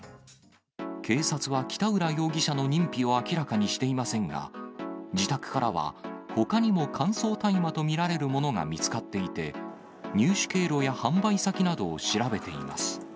警察は北浦容疑者の認否を明らかにしていませんが、自宅からは、ほかにも乾燥大麻と見られるものが見つかっていて、入手経路や販売先などを調べています。